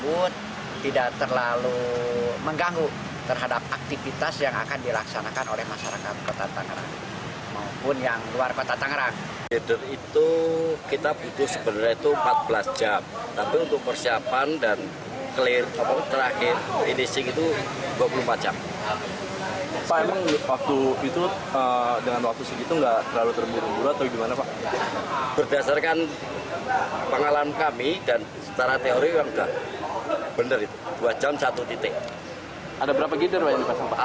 untuk kendaraan kecil dari arah serang menuju jakarta dikarenakan ruas jalan yang tidak memandai dan mengantisipasi kepentingan pemasangan